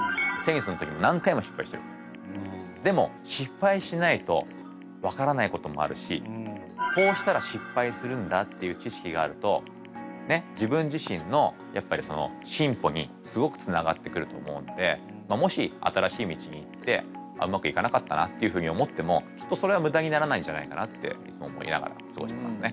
でも失敗しないと分からないこともあるしこうしたら失敗するんだっていう知識があるとねっ自分自身のやっぱり進歩にすごくつながってくると思うのでもし新しい道に行ってうまくいかなかったなっていうふうに思ってもきっとそれは無駄にならないんじゃないかなっていつも思いながら過ごしてますね。